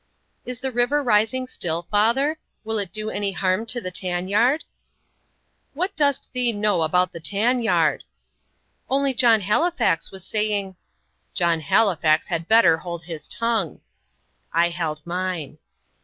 "Is the river rising still, father? Will it do any harm to the tan yard?" "What dost thee know about the tan yard!" "Only John Halifax was saying " "John Halifax had better hold his tongue." I held mine.